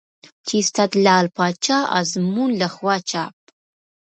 چې استاد لعل پاچا ازمون له خوا چاپ